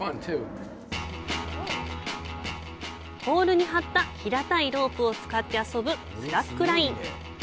ポールに張った平たいロープを使って遊ぶスラックライン。